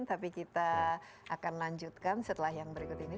tapi kita akan lanjutkan setelah yang berikut ini